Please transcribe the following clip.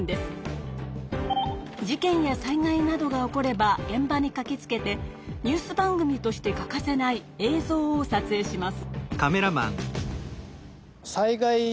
事件や災害などが起これば現場にかけつけてニュース番組として欠かせない映像をさつえいします。